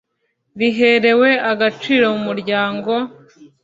riherewe agaciro mu muryango,